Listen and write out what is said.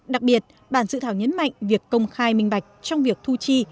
đặc biệt bản dự thảo nhấn mạnh việc công khai minh bạch trong việc thu chi